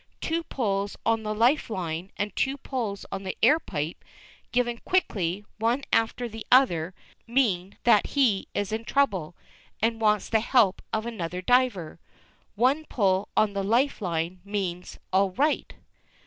Two pulls on the life line, and two pulls on the air pipe, given quickly one after the other, mean that he is in trouble, and wants the help of another diver. One pull on the life line means "all right."